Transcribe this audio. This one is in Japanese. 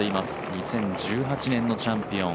２０１８年のチャンピオン。